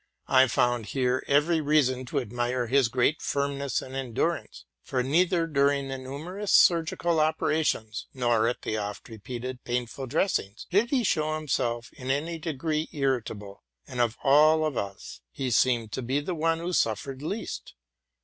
I found here every reason to admire his great firmness and endurance: for neither during the numerous surgical operations, nor at the cft repeated painful dressings, did he show himself in any degree irritable ; and of all of us he seemed to be the one who suffered least.